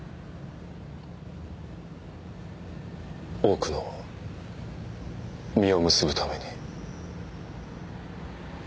多くの実を結ぶために。